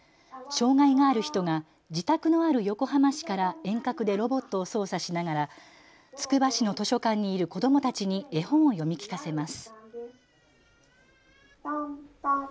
障害がある人が自宅のある横浜市から遠隔でロボットを操作しながらつくば市の図書館にいる子どもたちに絵本を読み聞かせます。